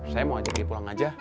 saya mau ajak dia pulang aja